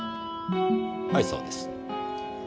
はいそうです。